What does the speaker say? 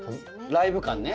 ライブ感ね。